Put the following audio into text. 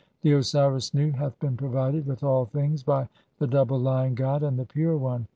(10) The Osiris Nu hath been provided [with all things] "by the double Lion god, and the pure one